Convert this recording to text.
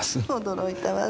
驚いたわ。